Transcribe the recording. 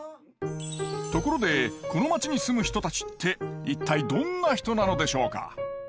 ところでこの町に住む人たちって一体どんな人なのでしょうか？